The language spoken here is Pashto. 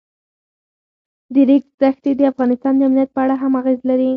د ریګ دښتې د افغانستان د امنیت په اړه هم اغېز لري.